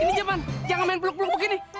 ini jangan main peluk peluk begini